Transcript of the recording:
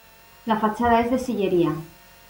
La fachada es de sillería.